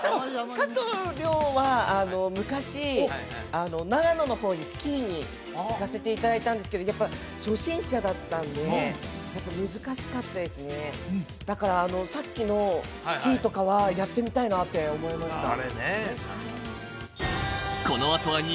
加藤諒は昔長野の方にスキーに行かせていただいたんですけどやっぱ初心者だったんで難しかったですねだからさっきのスキーとかはやってみたいなって思いました